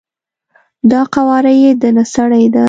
دا قواره یی د نه سړی ده،